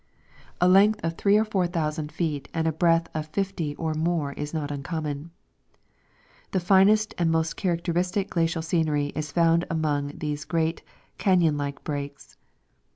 A length of three or four thousand feet and a breadth of fifty feet or more is not uncommon. The finest and most characteristic glacial scenery is found among these great canon like breaks.